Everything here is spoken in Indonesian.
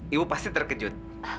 ibu pasti terkejut